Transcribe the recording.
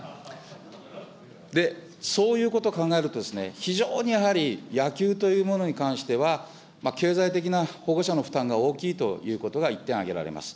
で、そういうこと考えるとですね、非常にやはり野球というものに関しては、経済的な保護者の負担が大きいということが一点挙げられます。